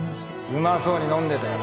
うまそうに飲んでたよ